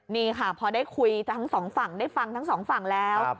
นี่ค่ะพอได้คุยทั้งสองฝั่งได้ฟังทั้งสองฝั่งแล้ว